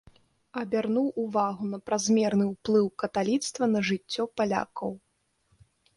Абярнуў увагу на празмерны ўплыў каталіцтва на жыццё палякаў.